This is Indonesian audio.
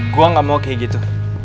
gue gak mau kayak gitu